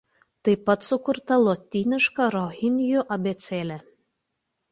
Taip pat sukurta lotyniška rohinjų abėcėlė.